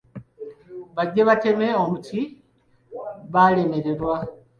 Baggye bateme omuti era baalemererwa.